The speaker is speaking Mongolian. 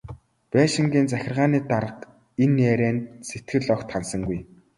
Байшингийн захиргааны дарга энэ ярианд сэтгэл огт ханасангүй.